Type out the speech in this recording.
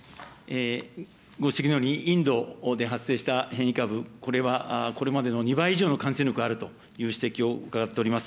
ご指摘のように、インドで発生した変異株、これはこれまでの２倍以上の感染力があるという指摘を伺っております。